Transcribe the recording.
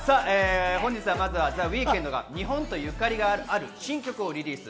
本日はまずは、ザ・ウィークエンドが日本とゆかりがある新曲をリリース。